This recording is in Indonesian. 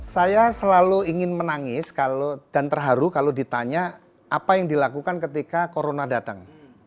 saya selalu ingin menangis dan terharu kalau ditanya apa yang dilakukan ketika corona datang